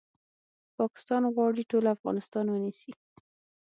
پاکستان غواړي ټول افغانستان ونیسي